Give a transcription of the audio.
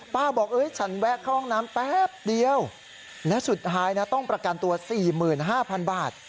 บอกฉันแวะเข้าห้องน้ำแป๊บเดียวและสุดท้ายนะต้องประกันตัว๔๕๐๐๐บาท